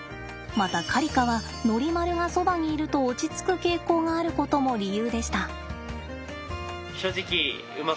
またカリカはノリマルがそばにいると落ち着く傾向があることも理由でした。